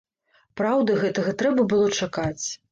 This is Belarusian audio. Праўда, гэтага трэба было чакаць.